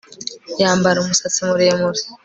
Yambara umusatsi muremure